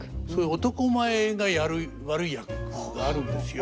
男前がやる悪い役があるんですよ。